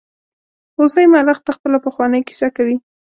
هوسۍ ملخ ته خپله پخوانۍ کیسه کوي.